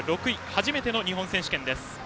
初めての日本選手権です。